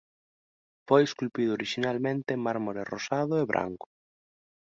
Foi esculpido orixinalmente en mármore rosado e branco.